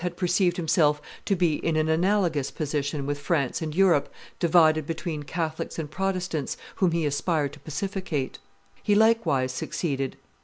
had perceived himself to be in an analogous position with France and Europe divided between Catholics and Protestants, whom he aspired to pacificate. He likewise succeeded.